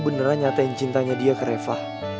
beneran nyatain cintanya dia ke refa